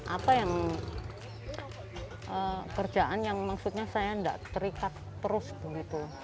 apa yang kerjaan yang maksudnya saya tidak terikat terus begitu